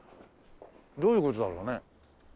どういう事だろうね？